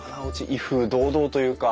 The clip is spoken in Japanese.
威風堂々というか。